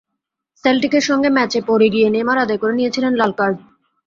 সেল্টিকের সঙ্গে ম্যাচে পড়ে গিয়ে নেইমার আদায় করে নিয়েছিলেন লাল কার্ড।